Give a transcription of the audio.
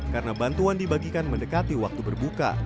karena bantuan dibagikan mendekati waktu berbuka